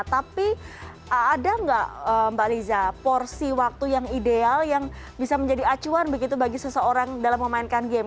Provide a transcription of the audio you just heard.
tapi ada nggak mbak liza porsi waktu yang ideal yang bisa menjadi acuan begitu bagi seseorang dalam memainkan game